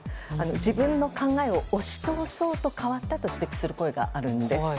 自分の考えを押し通そうと変わったと指摘する声があるんです。